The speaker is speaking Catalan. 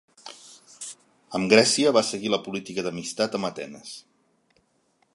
Amb Grècia va seguir la política d'amistat amb Atenes.